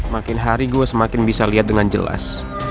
makin hari gue semakin bisa lihat dengan jelas